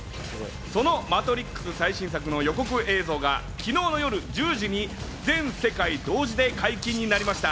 その『マトリックス』最新作の予告映像が昨日の夜１０時に全世界同時で解禁になりました。